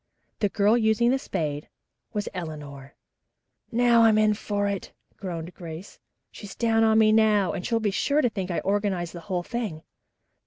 The girl using the spade was Eleanor. "Now I'm in for it," groaned Grace. "She's down on me now, and she'll be sure to think I organized the whole thing."